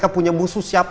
mereka punya musuh siapa